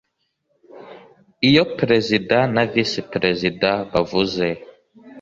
Iyo Perezida na Visi Perezida bavuze.